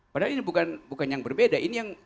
padahal ini bukan yang berbeda